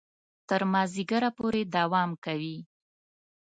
تر مازیګره پورې دوام کوي.